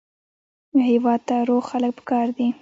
هېواد ته روغ خلک پکار دي